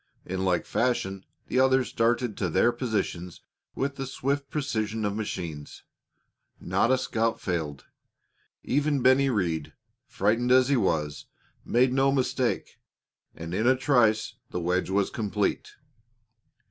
In like fashion the others darted to their positions with the swift precision of machines. Not a scout failed. Even Bennie Rhead, frightened as he was, made no mistake, and in a trice the wedge was complete.